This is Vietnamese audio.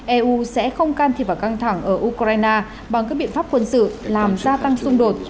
eu sẽ không can thiệp vào căng thẳng ở ukraine bằng các biện pháp quân sự làm gia tăng xung đột